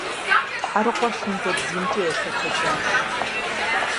Тхьэрыкъуэр шындэбзиймкӏэ елъэтэкӏащ.